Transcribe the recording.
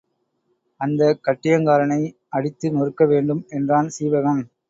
அந்தக் கட்டியங்காரனை அடித்து நொறுக்க வேண்டும் என்றான் சீவகன்.